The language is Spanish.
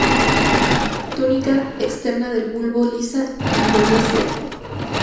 Túnica externa del bulbo lisa y coriacea.